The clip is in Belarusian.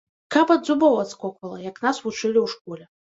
Каб ад зубоў адскоквала, як нас вучылі ў школе.